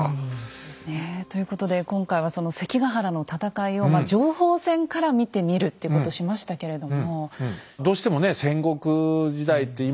ねえ。ということで今回はその関ヶ原の戦いを情報戦から見てみるっていうことをしましたけれども。